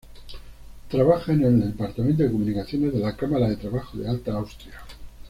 Trabaja en el departamento de comunicaciones de la Cámara de Trabajo de Alta Austria.